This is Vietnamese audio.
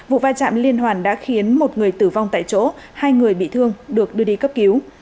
vụ va chạm liên hoàn đã khiến một người tử vong tại chỗ hai người bị thương được đưa đi cấp cứu